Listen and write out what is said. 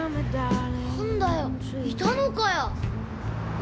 何だよいたのかよ？